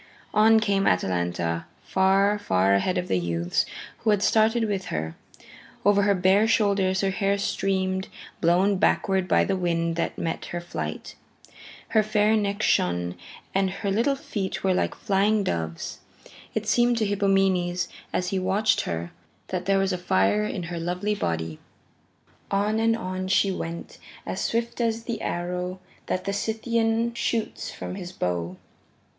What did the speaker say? On came Atalanta, far, far ahead of the youths who had started with her. Over her bare shoulders her hair streamed, blown backward by the wind that met her flight. Her fair neck shone, and her little feet were like flying doves. It seemed to Hippomenes as he watched her that there was fire in her lovely body. On and on she went as swift as the arrow that the Scythian shoots from his bow.